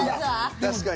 確かに。